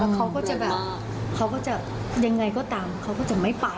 เขาก็จะแบบเขาก็จะยังไงก็ตามเขาก็จะไม่ไป